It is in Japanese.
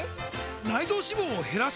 内臓脂肪を減らす！？